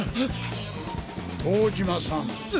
遠島さん。